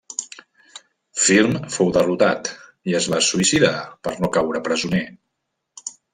Firm fou derrotat i es va suïcidar per no caure presoner.